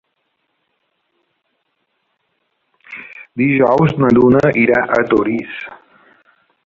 Dijous na Duna irà a Torís.